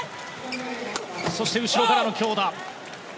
そして、後ろからの強打。